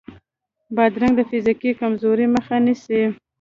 بادرنګ د فزیکي کمزورۍ مخه نیسي.